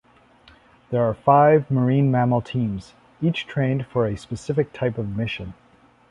There are five marine mammal teams, each trained for a specific type of mission.